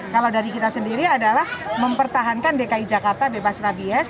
kalau dari kita sendiri adalah mempertahankan dki jakarta bebas rabies